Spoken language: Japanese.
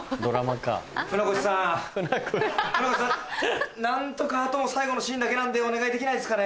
船越さん何とかあと最後のシーンだけなんでお願いできないですかね？